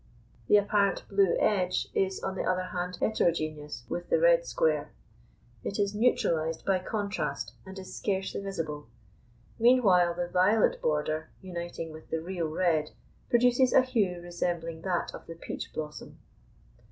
The apparent blue edge is, on the other hand, heterogeneous with the red square; it is neutralised by contrast, and is scarcely visible; meanwhile the violet border, uniting with the real red, produces a hue resembling that of the peach blossom.